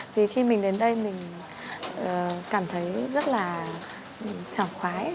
vì khi mình đến đây mình cảm thấy rất là chào khoái